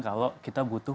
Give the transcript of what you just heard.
kalau kita butuh